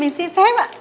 mình xin phép ạ